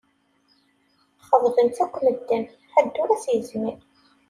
Xeḍben-tt akk medden, ḥedd ur as-yezmir.